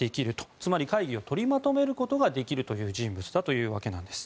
つまり会議を取りまとめることができる人物というわけです。